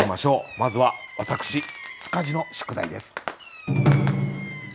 まずは私塚地の宿題です。